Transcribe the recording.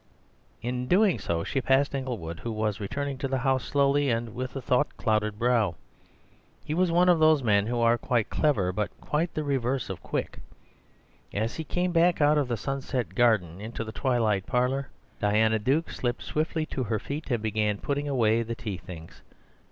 In doing so she passed Inglewood, who was returning to the house slowly, and with a thought clouded brow. He was one of those men who are quite clever, but quite the reverse of quick. As he came back out of the sunset garden into the twilight parlour, Diana Duke slipped swiftly to her feet and began putting away the tea things.